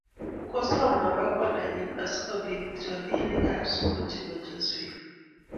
Kosom Mwamba kwandanyi asikobit robinikab sukul chebo Josephine